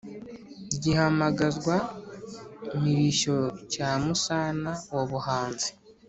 gihamagazwa-mirishyo cya musana wa buhanzi,